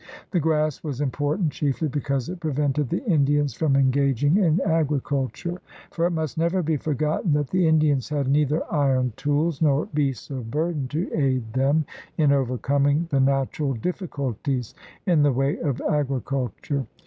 The grass was important chiefly because it prevented the Indians from engaging in agriculture, for it must never be forgotten that the Indians had neither iron tools nor beasts of burden to aid them in overcoming the natural difficulties in the way of agriculture.